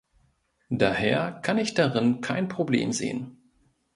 Daher kann ich darin kein Problem sehen.